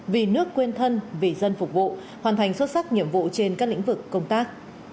vì nước quên thân vì dân phục vụ hoàn thành xuất sắc nhiệm vụ trên các lĩnh vực công tác